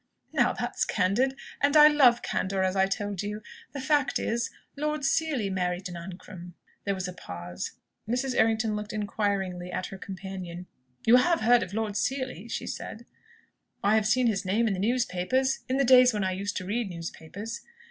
"Now, that's candid and I love candour, as I told you. The fact is, Lord Seely married an Ancram." There was a pause. Mrs. Errington looked inquiringly at her companion. "You have heard of Lord Seely?" she said. "I have seen his name in the newspapers, in the days when I used to read newspapers."